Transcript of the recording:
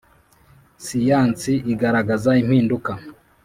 siyansi igaragaza impinduka